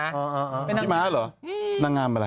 นี่มามั้ยหรอนางงามอะไร